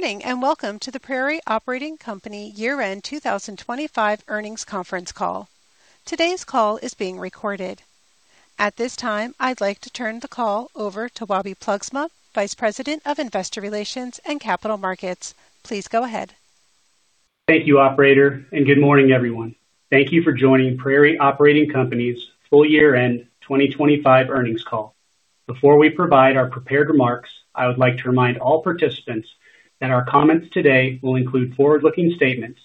Good morning, and welcome to the Prairie Operating Co. year-end 2025 earnings conference call. Today's call is being recorded. At this time, I'd like to turn the call over to Wobbe Ploegsma, Vice President of Investor Relations and Capital Markets. Please go ahead. Thank you, operator, and good morning, everyone. Thank you for joining Prairie Operating Company's full year-end 2025 earnings call. Before we provide our prepared remarks, I would like to remind all participants that our comments today will include forward-looking statements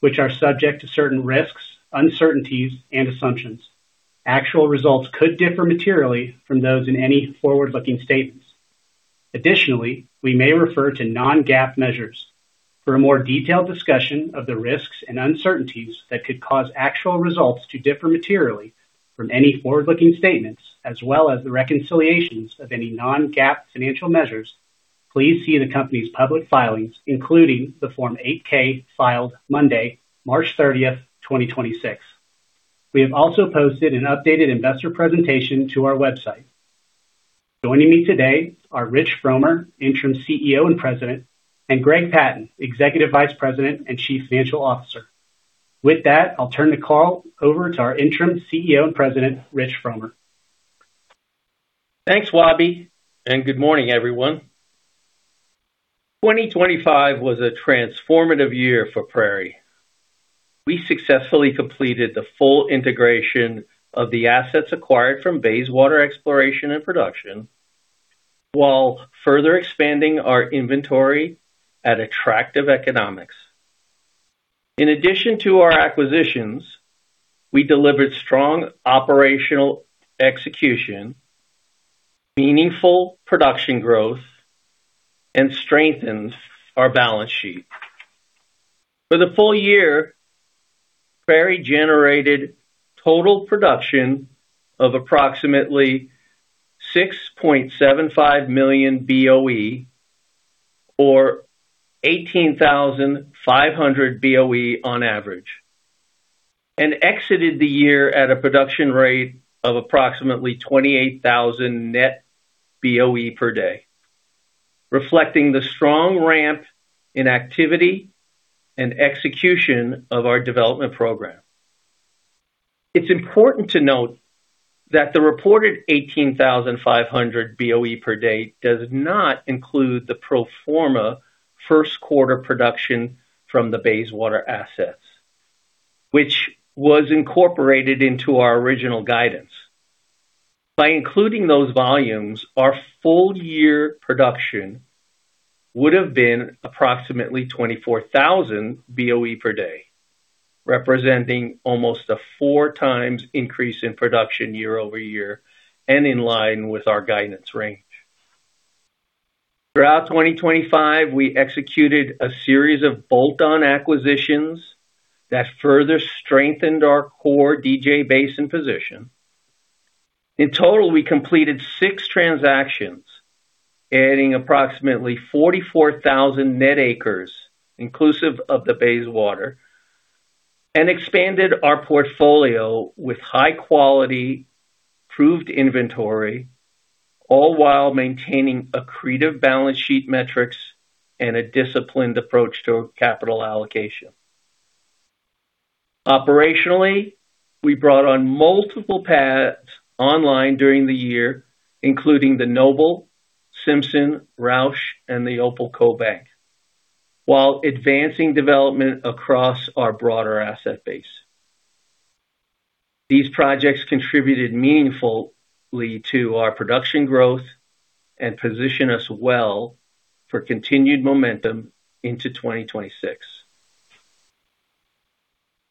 which are subject to certain risks, uncertainties and assumptions. Actual results could differ materially from those in any forward-looking statements. Additionally, we may refer to non-GAAP measures. For a more detailed discussion of the risks and uncertainties that could cause actual results to differ materially from any forward-looking statements, as well as the reconciliations of any non-GAAP financial measures, please see the company's public filings, including the Form 8-K filed Monday, March 30th, 2026. We have also posted an updated investor presentation to our website. Joining me today are Rich Frommer, Interim CEO and President, and Greg Patton, Executive Vice President and Chief Financial Officer. With that, I'll turn the call over to our Interim CEO and President, Rich Frommer. Thanks, Wobbe, and good morning, everyone. 2025 was a transformative year for Prairie. We successfully completed the full integration of the assets acquired from Bayswater Exploration & Production, while further expanding our inventory at attractive economics. In addition to our acquisitions, we delivered strong operational execution, meaningful production growth, and strengthens our balance sheet. For the full year, Prairie generated total production of approximately 6.75 million BOE or 18,500 BOE on average, and exited the year at a production rate of approximately 28,000 net BOE per day, reflecting the strong ramp in activity and execution of our development program. It's important to note that the reported 18,500 BOE per day does not include the pro forma first quarter production from the Bayswater assets, which was incorporated into our original guidance. By including those volumes, our full-year production would have been approximately 24,000 BOE per day, representing almost a 4x increase in production year-over-year and in line with our guidance range. Throughout 2025, we executed a series of bolt-on acquisitions that further strengthened our core DJ Basin position. In total, we completed six transactions, adding approximately 44,000 net acres inclusive of the Bayswater, and expanded our portfolio with high quality proved inventory, all while maintaining accretive balance sheet metrics and a disciplined approach to capital allocation. Operationally, we brought on multiple pads online during the year, including the Noble, Simpson, Rauch, and the Opal Coal Bank, while advancing development across our broader asset base. These projects contributed meaningfully to our production growth and position us well for continued momentum into 2026.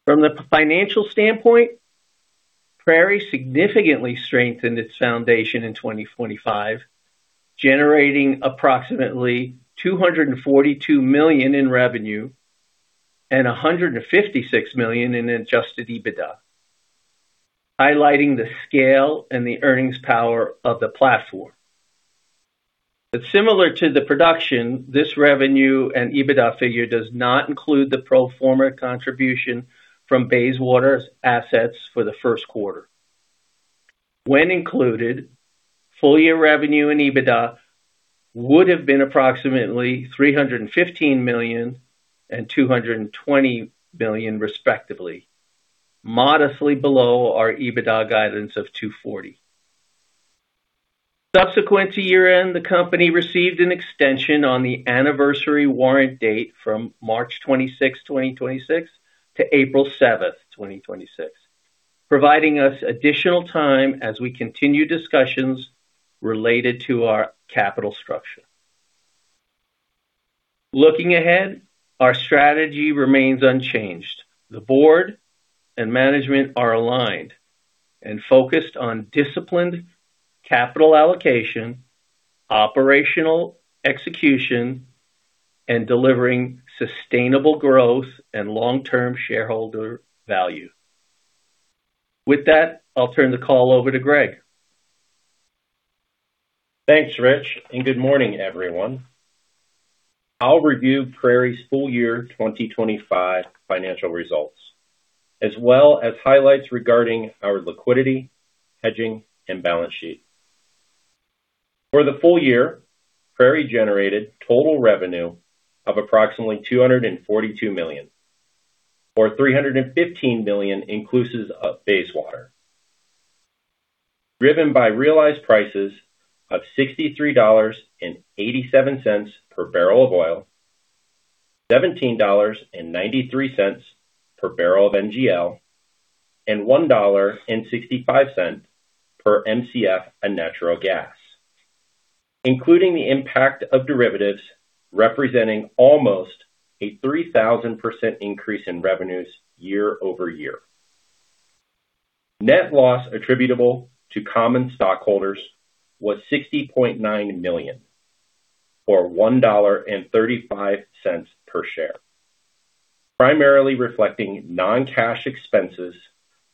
From the financial standpoint, Prairie significantly strengthened its foundation in 2025, generating approximately $242 million in revenue and $156 million in Adjusted EBITDA, highlighting the scale and the earnings power of the platform. Similar to the production, this revenue and EBITDA figure does not include the pro forma contribution from Bayswater's assets for the first quarter. When included, full-year revenue and EBITDA would have been approximately $315 million and $220 million, respectively, modestly below our EBITDA guidance of $240 million. Subsequent to year-end, the company received an extension on the anniversary warrant date from March 26, 2026 to April 7, 2026, providing us additional time as we continue discussions related to our capital structure. Looking ahead, our strategy remains unchanged. The board and management are aligned and focused on disciplined capital allocation, operational execution, and delivering sustainable growth and long-term shareholder value. With that, I'll turn the call over to Greg. Thanks, Rich, and good morning, everyone. I'll review Prairie's full-year 2025 financial results. As well as highlights regarding our liquidity, hedging, and balance sheet. For the full-year, Prairie generated total revenue of approximately $242 million, or $315 million inclusive of Bayswater. Driven by realized prices of $63.87 per barrel of oil, $17.93 per barrel of NGL, and $1.65 per Mcf of natural gas, including the impact of derivatives, representing almost a 3,000% increase in revenues year-over-year. Net loss attributable to common stockholders was $60.9 million, or $1.35 per share, primarily reflecting non-cash expenses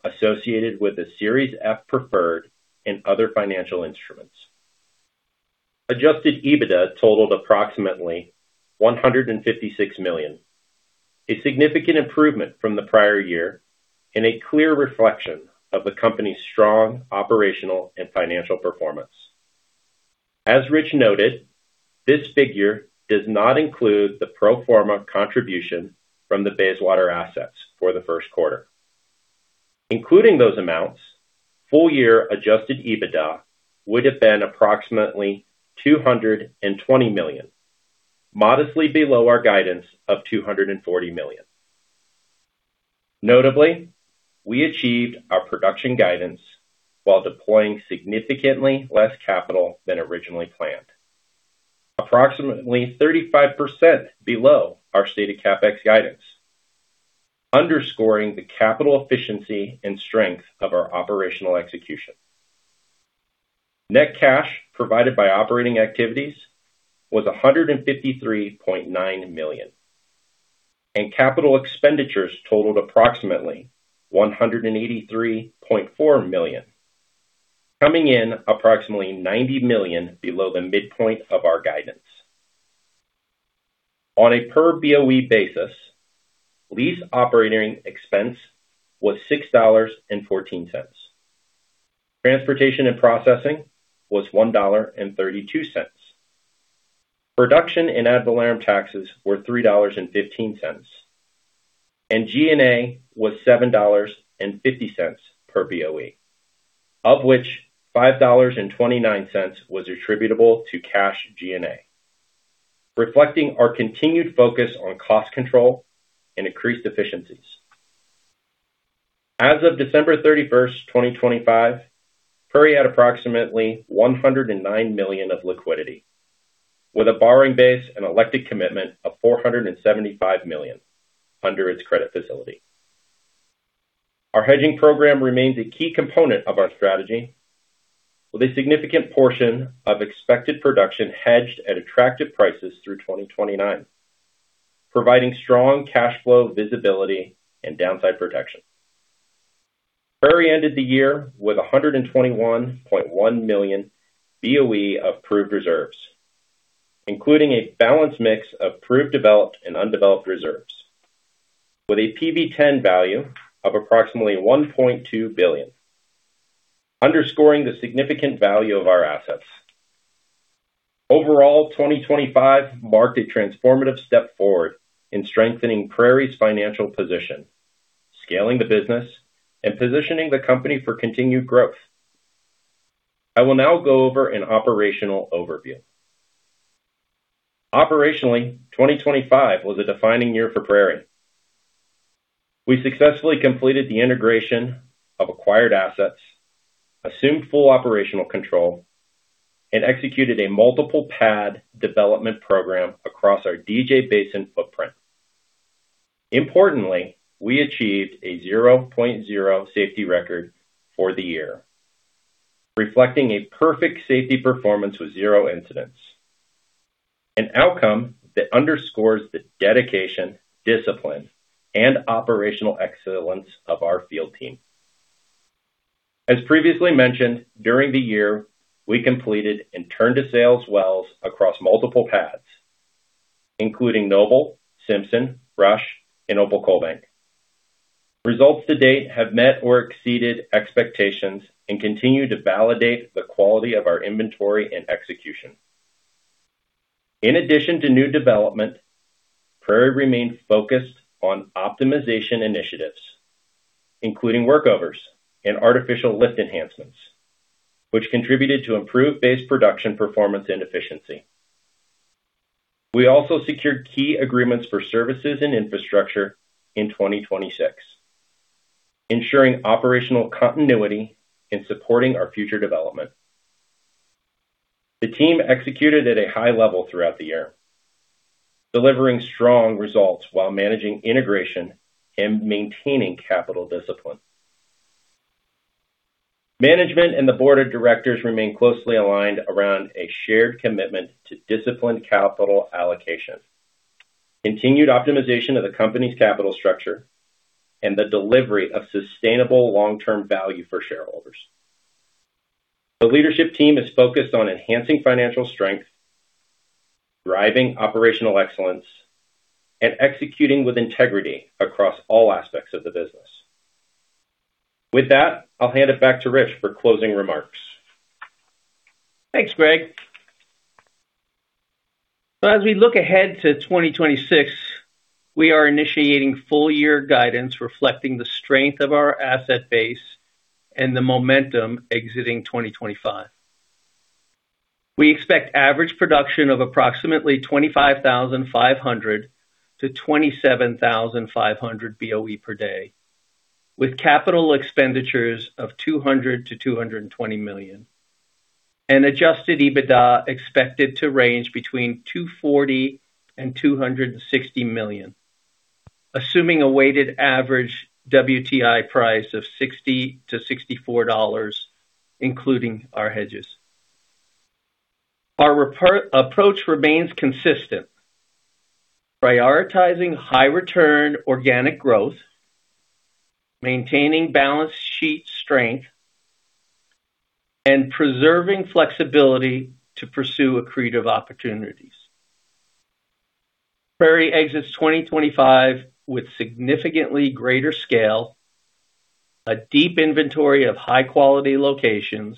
associated with a Series F Preferred in other financial instruments. Adjusted EBITDA totaled approximately $156 million, a significant improvement from the prior year and a clear reflection of the company's strong operational and financial performance. As Rich noted, this figure does not include the pro forma contribution from the Bayswater assets for the first quarter. Including those amounts, full-year Adjusted EBITDA would have been approximately $220 million, modestly below our guidance of $240 million. Notably, we achieved our production guidance while deploying significantly less capital than originally planned. Approximately 35% below our stated CapEx guidance, underscoring the capital efficiency and strength of our operational execution. Net cash provided by operating activities was $153.9 million, and capital expenditures totaled approximately $183.4 million, coming in approximately $90 million below the midpoint of our guidance. On a per BOE basis, lease operating expense was $6.14. Transportation and processing was $1.32. Production and ad valorem taxes were $3.15, and G&A was $7.50 per BOE, of which $5.29 was attributable to cash G&A, reflecting our continued focus on cost control and increased efficiencies. As of December 31st, 2025, Prairie had approximately $109 million of liquidity, with a borrowing base and elected commitment of $475 million under its credit facility. Our hedging program remains a key component of our strategy, with a significant portion of expected production hedged at attractive prices through 2029, providing strong cash flow visibility and downside protection. Prairie ended the year with 121.1 million BOE of proved reserves, including a balanced mix of proved, developed, and undeveloped reserves with a PV-10 value of approximately $1.2 billion, underscoring the significant value of our assets. Overall, 2025 marked a transformative step forward in strengthening Prairie's financial position, scaling the business, and positioning the company for continued growth. I will now go over an operational overview. Operationally, 2025 was a defining year for Prairie. We successfully completed the integration of acquired assets, assumed full operational control, and executed a multiple pad development program across our DJ Basin footprint. Importantly, we achieved a 0.0 safety record for the year, reflecting a perfect safety performance with 0 incidents, an outcome that underscores the dedication, discipline, and operational excellence of our field team. As previously mentioned, during the year, we completed and turned to sales wells across multiple pads, including Noble, Simpson, Rusch, and Opal Coal Bank. Results to date have met or exceeded expectations and continue to validate the quality of our inventory and execution. In addition to new development, Prairie remained focused on optimization initiatives, including workovers and artificial lift enhancements, which contributed to improved base production, performance, and efficiency. We also secured key agreements for services and infrastructure in 2026, ensuring operational continuity and supporting our future development. The team executed at a high level throughout the year, delivering strong results while managing integration and maintaining capital discipline. Management and the board of directors remain closely aligned around a shared commitment to disciplined capital allocation, continued optimization of the company's capital structure, and the delivery of sustainable long-term value for shareholders. The leadership team is focused on enhancing financial strength, driving operational excellence, and executing with integrity across all aspects of the business. With that, I'll hand it back to Rich for closing remarks. Thanks, Greg. As we look ahead to 2026, we are initiating full-year guidance reflecting the strength of our asset base and the momentum exiting 2025. We expect average production of approximately 25,500-27,500 BOE per day, with capital expenditures of $200 million-$220 million. Adjusted EBITDA expected to range between $240 million and $260 million, assuming a weighted average WTI price of $60-$64, including our hedges. Our approach remains consistent, prioritizing high return organic growth, maintaining balance sheet strength, and preserving flexibility to pursue accretive opportunities. Prairie exits 2025 with significantly greater scale, a deep inventory of high quality locations,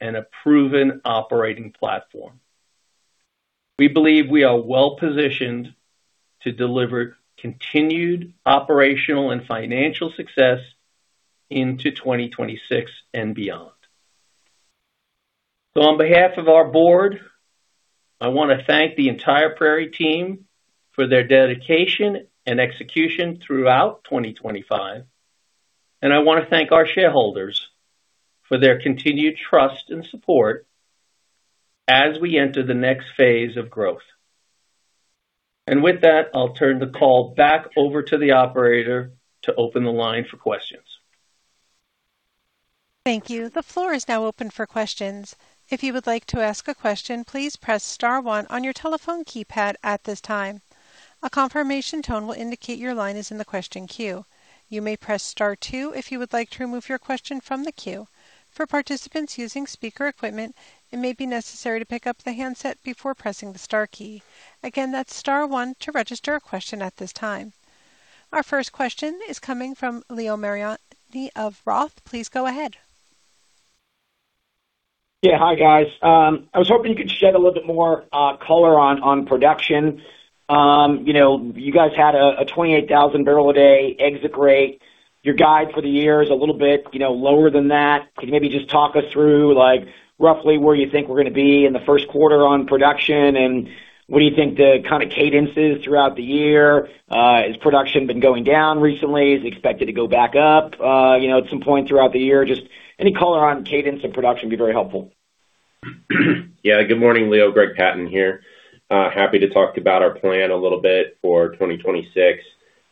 and a proven operating platform. We believe we are well positioned to deliver continued operational and financial success into 2026 and beyond. On behalf of our board, I want to thank the entire Prairie team for their dedication and execution throughout 2025, and I want to thank our shareholders for their continued trust and support as we enter the next phase of growth. With that, I'll turn the call back over to the operator to open the line for questions. Thank you. The floor is now open for questions. If you would like to ask a question, please press star one on your telephone keypad at this time. A confirmation tone will indicate your line is in the question queue. You may press star two if you would like to remove your question from the queue. For participants using speaker equipment, it may be necessary to pick up the handset before pressing the star key. Again, that's star one to register a question at this time. Our first question is coming from Leo Mariani of ROTH. Please go ahead. Yeah. Hi, guys. I was hoping you could shed a little bit more color on production. You know, you guys had a 28,000 boe/d exit rate. Your guide for the year is a little bit, you know, lower than that. Could you maybe just talk us through, like, roughly where you think we're gonna be in the first quarter on production, and what do you think the kind of cadence is throughout the year? Has production been going down recently? Is it expected to go back up, you know, at some point throughout the year? Just any color on cadence and production would be very helpful. Yeah. Good morning, Leo. Greg Patton here. Happy to talk about our plan a little bit for 2026.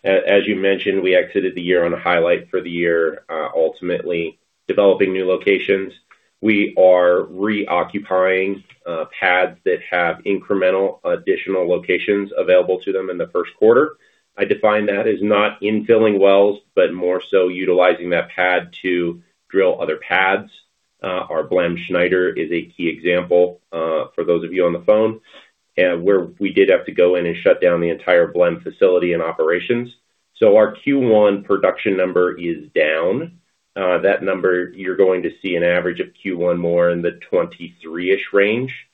As you mentioned, we exited the year on a highlight for the year, ultimately developing new locations. We are reoccupying pads that have incremental additional locations available to them in the first quarter. I define that as not infilling wells, but more so utilizing that pad to drill other pads. Our Blehm Schneider is a key example, for those of you on the phone, where we did have to go in and shut down the entire Blehm facility and operations. Our Q1 production number is down. That number, you're going to see an average of Q1 more in the 23-ish range.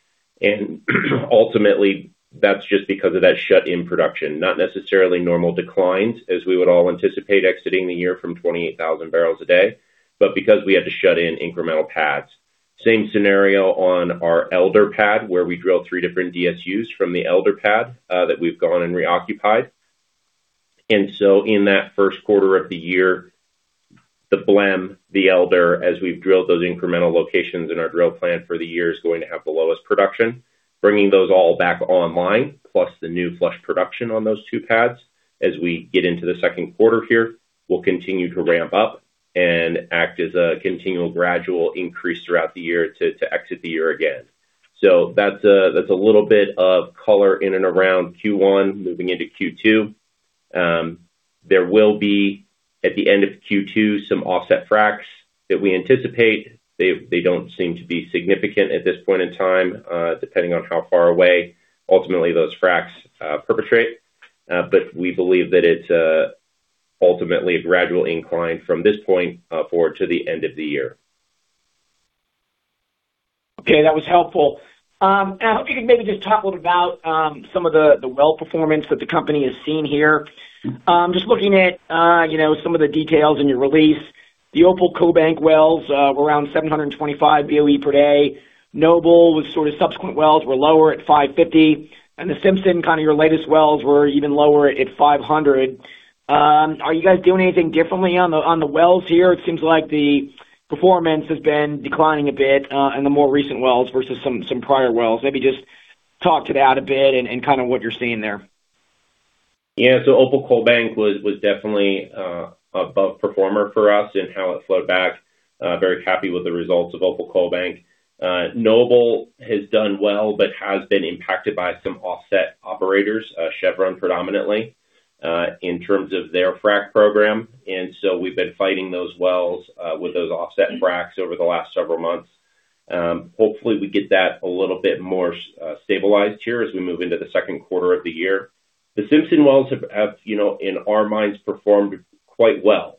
Ultimately, that's just because of that shut-in production, not necessarily normal declines, as we would all anticipate exiting the year from 28,000 boe/d but because we had to shut in incremental pads. Same scenario on our Elder pad, where we drilled three different DSUs from the Elder pad, that we've gone and reoccupied. In that first quarter of the year, the Blehm., the Elder, as we've drilled those incremental locations in our drill plan for the year, is going to have the lowest production. Bringing those all back online, plus the new flush production on those two pads as we get into the second quarter here, we'll continue to ramp up and act as a continual gradual increase throughout the year to exit the year again. That's a little bit of color in and around Q1 moving into Q2. There will be, at the end of Q2, some offset fracs that we anticipate. They don't seem to be significant at this point in time, depending on how far away ultimately those fracs propagate. We believe that it's ultimately a gradual incline from this point forward to the end of the year. Okay. That was helpful. I hope you could maybe just talk a little about some of the well performance that the company has seen here. Just looking at, you know, some of the details in your release, the Opal Coal Bank wells were around 725 BOE per day. Noble with sort of subsequent wells were lower at 550, and the Simpson, kind of your latest wells, were even lower at 500. Are you guys doing anything differently on the wells here? It seems like the performance has been declining a bit in the more recent wells versus some prior wells. Maybe just talk to that a bit and kind of what you're seeing there. Yeah. Opal Coal Bank was definitely an above performer for us in how it flowed back. Very happy with the results of Opal Coal Bank. Noble has done well, but has been impacted by some offset operators, Chevron predominantly. In terms of their frack program. We've been fighting those wells with those offset fracks over the last several months. Hopefully, we get that a little bit more stabilized here as we move into the second quarter of the year. The Simpson wells have you know in our minds performed quite well.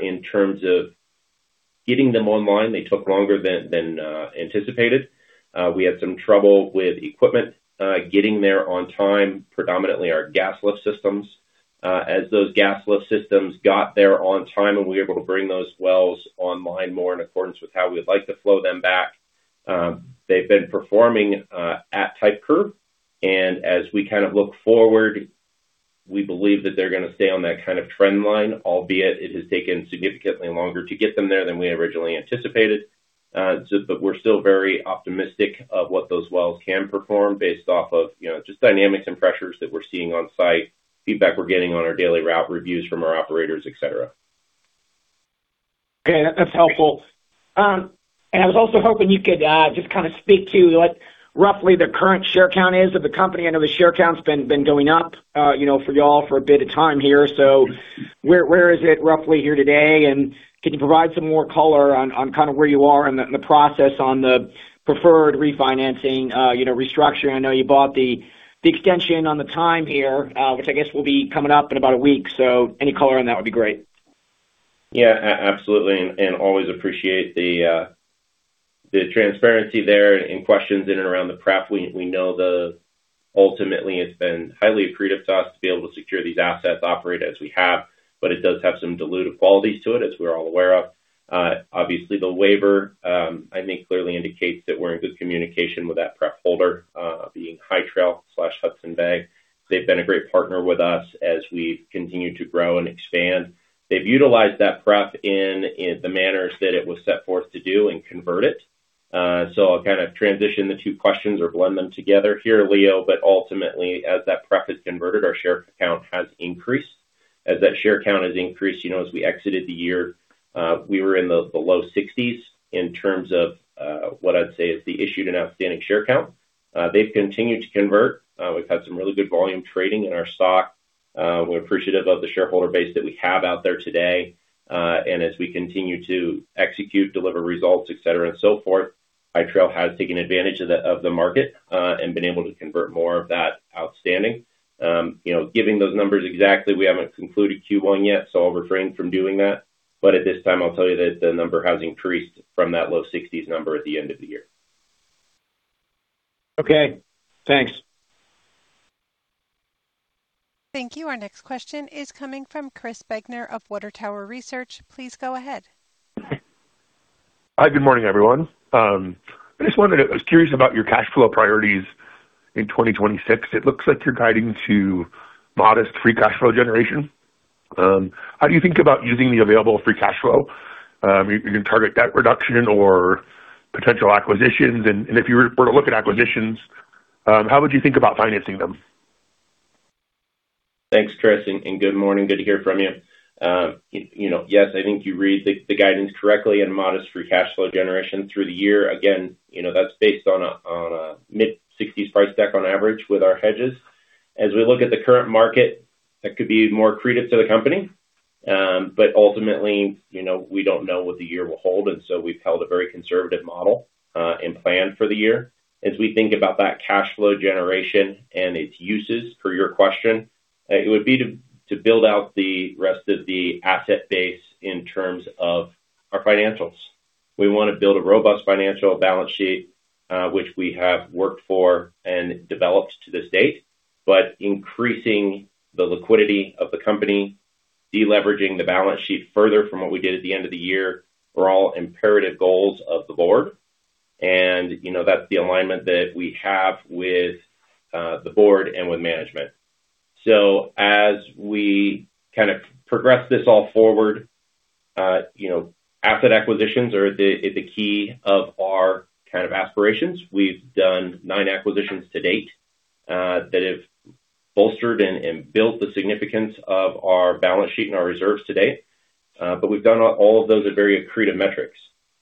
In terms of getting them online, they took longer than anticipated. We had some trouble with equipment getting there on time, predominantly our gas lift systems. As those gas lift systems got there on time, and we were able to bring those wells online more in accordance with how we'd like to flow them back, they've been performing at type curve. As we kind of look forward, we believe that they're gonna stay on that kind of trend line, albeit it has taken significantly longer to get them there than we originally anticipated. But we're still very optimistic of what those wells can perform based off of, you know, just dynamics and pressures that we're seeing on site, feedback we're getting on our daily route reviews from our operators, et cetera. Okay. That's helpful. I was also hoping you could just kinda speak to what roughly the current share count is of the company. I know the share count's been going up, you know, for y'all for a bit of time here. Where is it roughly here today? Can you provide some more color on kinda where you are in the process on the preferred refinancing, you know, restructuring? I know you bought the extension on the time here, which I guess will be coming up in about a week. Any color on that would be great. Absolutely and always appreciate the transparency there in questions in and around the pref. We know ultimately, it's been highly accretive to us to be able to secure these assets, operate as we have, but it does have some dilutive qualities to it, as we're all aware of. Obviously, the waiver I think clearly indicates that we're in good communication with that pref holder, being High Trail Capital/Hudson Bay Capital Management. They've been a great partner with us as we've continued to grow and expand. They've utilized that pref in the manners that it was set forth to do and convert it. I'll kinda transition the two questions or blend them together here, Leo. Ultimately, as that pref is converted, our share count has increased. As that share count has increased, you know, as we exited the year, we were in the low sixties in terms of what I'd say is the issued and outstanding share count. They've continued to convert. We've had some really good volume trading in our stock. We're appreciative of the shareholder base that we have out there today. As we continue to execute, deliver results, et cetera, and so forth, High Trail has taken advantage of the market and been able to convert more of that outstanding. You know, giving those numbers exactly, we haven't concluded Q1 yet, so I'll refrain from doing that. At this time, I'll tell you that the number has increased from that low sixties number at the end of the year. Okay, thanks. Thank you. Our next question is coming from Chris Degner of Water Tower Research. Please go ahead. Hi, good morning, everyone. I was curious about your cash flow priorities in 2026. It looks like you're guiding to modest free cash flow generation. How do you think about using the available free cash flow? You can target debt reduction or potential acquisitions. If you were to look at acquisitions, how would you think about financing them? Thanks, Chris, and good morning. Good to hear from you. You know, yes, I think you read the guidance correctly in modest free cash flow generation through the year. Again, you know, that's based on a mid-$60s price deck on average with our hedges. As we look at the current market, that could be more accretive to the company. Ultimately, you know, we don't know what the year will hold, and so we've held a very conservative model and plan for the year. As we think about that cash flow generation and its uses per your question, it would be to build out the rest of the asset base in terms of our financials. We wanna build a robust financial balance sheet, which we have worked for and developed to this date. Increasing the liquidity of the company, deleveraging the balance sheet further from what we did at the end of the year are all imperative goals of the board. You know, that's the alignment that we have with the board and with management. As we kind of progress this all forward, you know, asset acquisitions are at the key of our kind of aspirations. We've done nine acquisitions to date that have bolstered and built the significance of our balance sheet and our reserves to date. We've done all of those at very accretive metrics.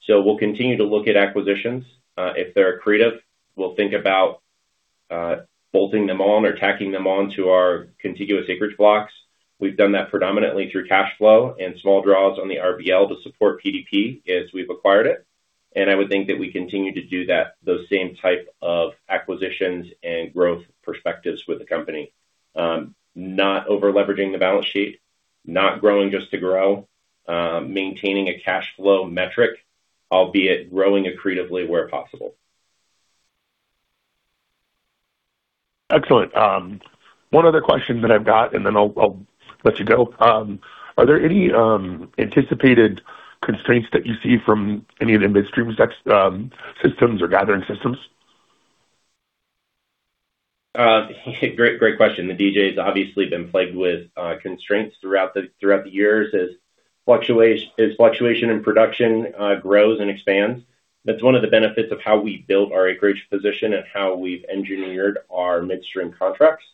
We'll continue to look at acquisitions. If they're accretive, we'll think about bolting them on or tacking them on to our contiguous acreage blocks. We've done that predominantly through cash flow and small draws on the RBL to support PDP as we've acquired it. I would think that we continue to do that, those same type of acquisitions and growth perspectives with the company. Not over-leveraging the balance sheet, not growing just to grow, maintaining a cash flow metric, albeit growing accretively where possible. Excellent. One other question that I've got, and then I'll let you go. Are there any anticipated constraints that you see from any of the midstream systems or gathering systems? Great question. The DJ's obviously been plagued with constraints throughout the years as fluctuation in production grows and expands. That's one of the benefits of how we build our acreage position and how we've engineered our midstream contracts.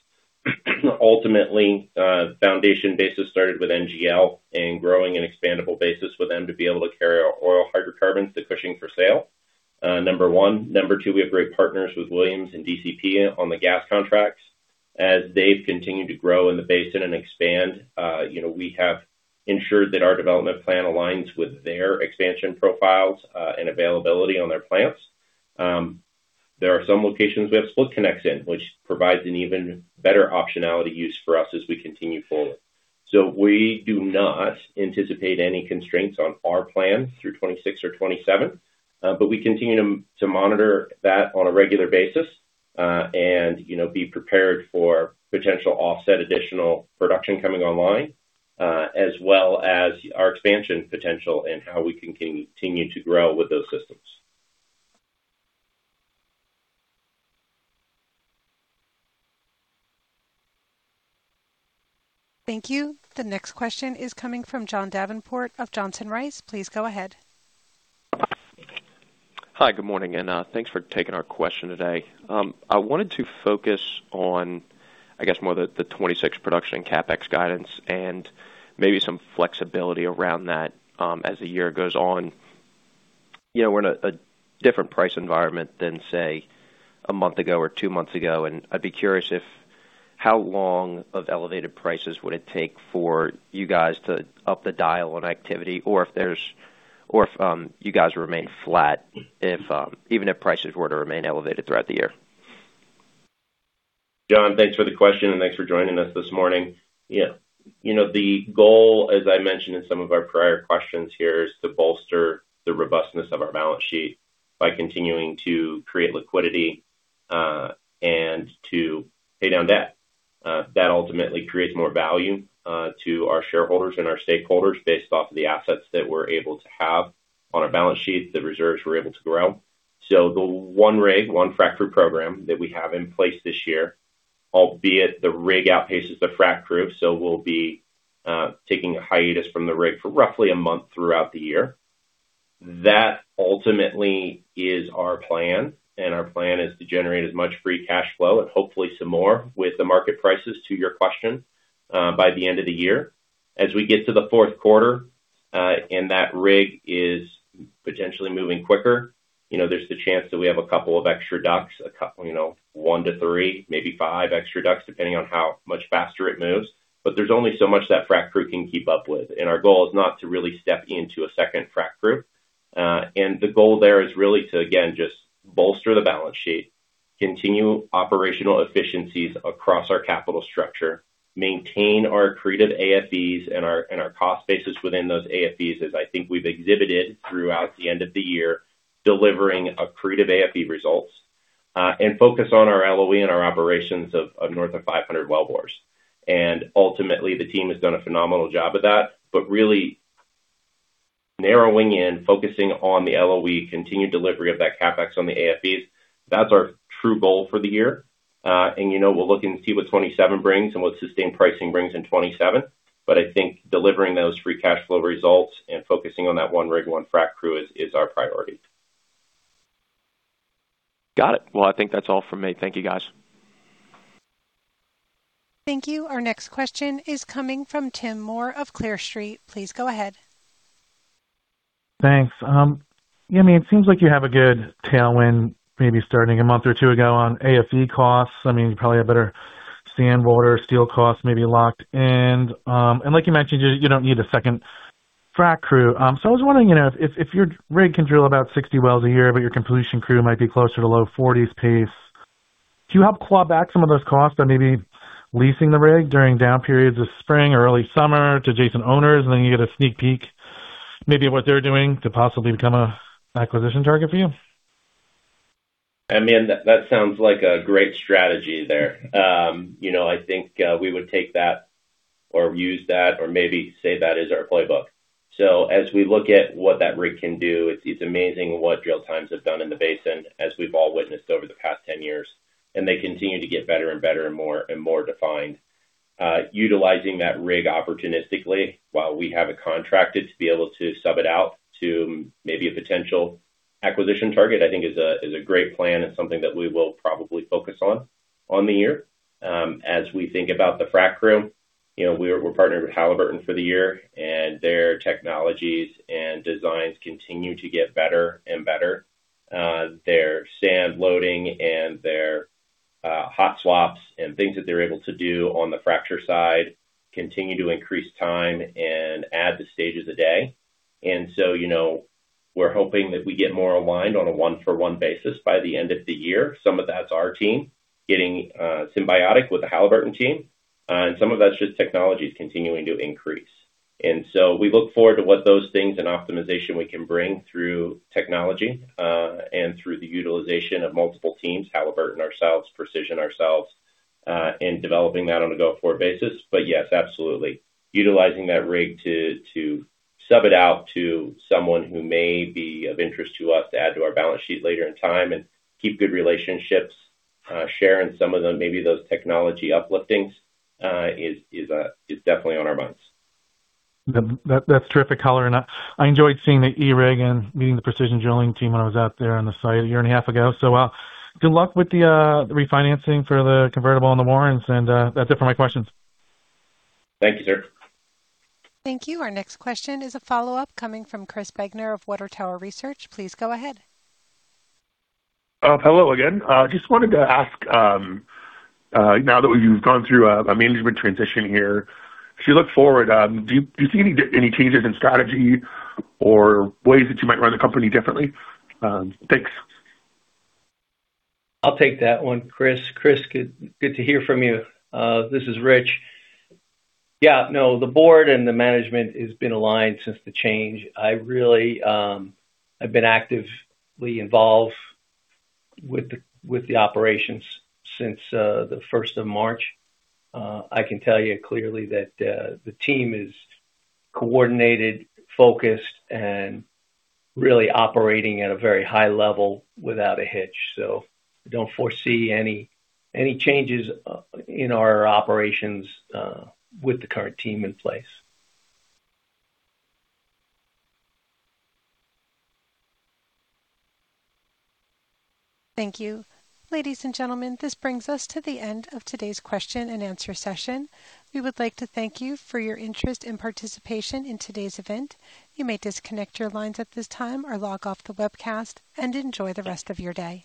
Ultimately, foundation basis started with NGL and growing an expandable basis with them to be able to carry our oil hydrocarbons to Cushing for sale. Number one. Number two, we have great partners with Williams and DCP on the gas contracts. As they've continued to grow in the basin and expand, you know, we have ensured that our development plan aligns with their expansion profiles and availability on their plants. There are some locations we have split connects in which provides an even better optionality use for us as we continue forward. We do not anticipate any constraints on our plan through 2026 or 2027. We continue to monitor that on a regular basis, and, you know, be prepared for potential offset additional production coming online, as well as our expansion potential and how we can continue to grow with those systems. Thank you. The next question is coming from John Davenport of Johnson Rice. Please go ahead. Hi, good morning, and thanks for taking our question today. I wanted to focus on, I guess, more the 2026 production CapEx guidance and maybe some flexibility around that, as the year goes on. You know, we're in a different price environment than, say, a month ago or two months ago, and I'd be curious if how long of elevated prices would it take for you guys to up the dial on activity or if there's or if you guys remain flat if even if prices were to remain elevated throughout the year. John, thanks for the question, and thanks for joining us this morning. Yeah. You know the goal, as I mentioned in some of our prior questions here, is to bolster the robustness of our balance sheet by continuing to create liquidity, and to pay down debt. That ultimately creates more value to our shareholders and our stakeholders based off of the assets that we're able to have on our balance sheet, the reserves we're able to grow. The one rig, one frack crew program that we have in place this year, albeit the rig outpaces the frack crew, so we'll be taking a hiatus from the rig for roughly a month throughout the year. That ultimately is our plan, and our plan is to generate as much free cash flow and hopefully some more with the market prices, to your question, by the end of the year. As we get to the fourth quarter, and that rig is potentially moving quicker, you know, there's the chance that we have a couple of extra DUCs, a couple, you know, one to three, maybe five extra DUCs, depending on how much faster it moves. But there's only so much that frack crew can keep up with, and our goal is not to really step into a second frack crew. The goal there is really to, again, just bolster the balance sheet, continue operational efficiencies across our capital structure, maintain our accretive AFEs and our cost basis within those AFEs, as I think we've exhibited throughout the end of the year, delivering accretive AFE results, and focus on our LOE and our operations of north of 500 wellbores. Ultimately, the team has done a phenomenal job of that. Really narrowing in, focusing on the LOE, continued delivery of that CapEx on the AFEs, that's our true goal for the year. You know, we'll look and see what 2027 brings and what sustained pricing brings in 2027. I think delivering those free cash flow results and focusing on that one rig, one frack crew is our priority. Got it. Well, I think that's all for me. Thank you, guys. Thank you. Our next question is coming from Tim Moore of Clear Street. Please go ahead. Thanks. Yeah, I mean, it seems like you have a good tailwind maybe starting a month or two ago on AFE costs. I mean, you probably have better sand, water, steel costs maybe locked in. And like you mentioned, you don't need a second frack crew. So I was wondering, you know, if your rig can drill about 60 wells a year, but your completion crew might be closer to low 40s pace. Do you help claw back some of those costs by maybe leasing the rig during down periods of spring or early summer to adjacent owners, and then you get a sneak peek maybe of what they're doing to possibly become an acquisition target for you? I mean, that sounds like a great strategy there. You know, I think we would take that or use that or maybe say that is our playbook. As we look at what that rig can do, it's amazing what drill times have done in the basin, as we've all witnessed over the past 10 years, and they continue to get better and better and more and more defined. Utilizing that rig opportunistically while we have it contracted to be able to sub it out to maybe a potential acquisition target, I think is a great plan and something that we will probably focus on the year. As we think about the frack crew, you know, we're partnered with Halliburton for the year, and their technologies and designs continue to get better and better. Their sand loading and their hot swaps and things that they're able to do on the fracture side continue to increase time and add the stages a day. You know, we're hoping that we get more aligned on a one-for-one basis by the end of the year. Some of that's our team getting symbiotic with the Halliburton team, and some of that's just technologies continuing to increase. We look forward to what those things and optimization we can bring through technology, and through the utilization of multiple teams, Halliburton ourselves, Precision ourselves, in developing that on a go-forward basis. Yes, absolutely. Utilizing that rig to sub it out to someone who may be of interest to us to add to our balance sheet later in time and keep good relationships, share in some of the maybe those technology upliftings is definitely on our minds. That's terrific color. I enjoyed seeing the E-Rig and meeting the Precision Drilling team when I was out there on the site a year and a half ago. Good luck with the refinancing for the convertible and the warrants, and that's it for my questions. Thank you, sir. Thank you. Our next question is a follow-up coming from Chris Degner of Water Tower Research. Please go ahead. Hello again. Just wanted to ask, now that we've gone through a management transition here, as you look forward, do you see any changes in strategy or ways that you might run the company differently? Thanks. I'll take that one, Chris. Chris, good to hear from you. This is Rich. Yeah, no, the board and the management has been aligned since the change. I really, I've been actively involved with the operations since the first of March. I can tell you clearly that the team is coordinated, focused, and really operating at a very high level without a hitch. I don't foresee any changes in our operations with the current team in place. Thank you. Ladies and gentlemen, this brings us to the end of today's question-and-answer session. We would like to thank you for your interest and participation in today's event. You may disconnect your lines at this time or log off the webcast and enjoy the rest of your day.